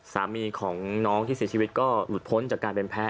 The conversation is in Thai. สามีของน้องที่เสียชีวิตก็หลุดพ้นจากการเป็นแพ้